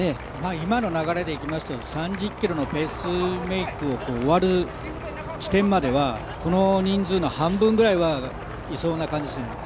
今の流れでいきますと３０ｋｍのペースメイクを終わる地点まではこの人数の半分ぐらいはいそうな感じがします。